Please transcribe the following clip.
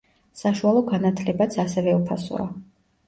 საშუალო განათლებაც ასევე უფასოა.